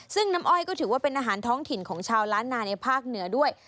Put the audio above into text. ซึ่งน้ำอ้อยก็ถือว่าเป็นอาหารท้องถิ่นของชาวล้านนาในภาคเหนือด้วย